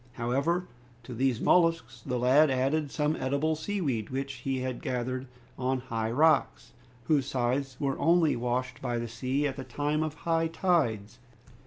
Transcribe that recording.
However, to these molluscs, the lad added some edible sea weed, which he gathered on high rocks, whose sides were only washed by the sea at the time of high tides.